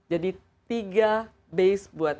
jadi tiga base buat